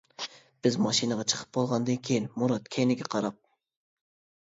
بىز ماشىنىغا چىقىپ بولغاندىن كىيىن مۇرات كەينىگە قاراپ.